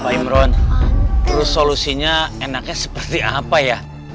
pak imron terus solusinya enaknya seperti apa ya